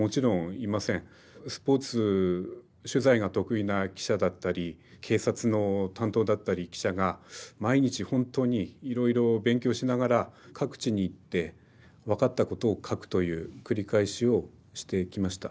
スポーツ取材が得意な記者だったり警察の担当だったり記者が毎日ほんとにいろいろ勉強しながら各地に行って分かったことを書くという繰り返しをしていきました。